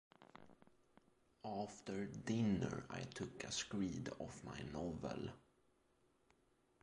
After dinner I took a screed of my novel.